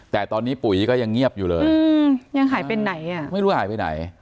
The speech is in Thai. แต่ตอนนี้ปุ๋ยก็ยังเงียบอยู่เลยยังหายไปไหนอ่ะไม่รู้หายไปไหน